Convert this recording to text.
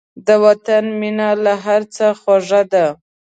د وطن مینه له هر څه خوږه ده.